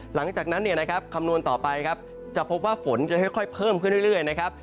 หลังจากนั้นเนี่ยนะครับคำนวณต่อไปครับจะพบว่าฝนจะค่อยเพิ่มขึ้นเรื่อยนะครับ